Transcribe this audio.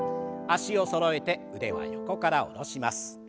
脚をそろえて腕は横から下ろします。